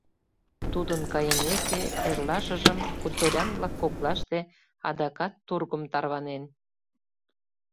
Тудын кайымеке, эрлашыжым хуторян-влак коклаште адакат тургым тарванен.